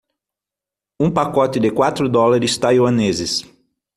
Um pacote de quatro dólares taiwaneses